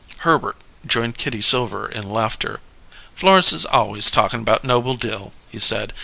Herbert joined Kitty Silver in laughter. "Florence is always talkin' about Noble Dill," he said.